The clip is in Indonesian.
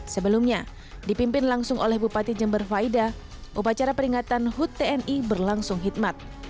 sebelumnya dipimpin langsung oleh bupati jember faida upacara peringatan hut tni berlangsung hikmat